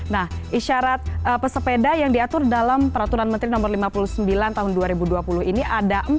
nah isyarat pesepeda yang diatur dalam peraturan menteri no lima puluh sembilan tahun dua ribu dua puluh ini ada empat